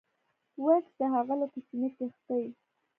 و کس د هغه له کوچنۍ کښتۍ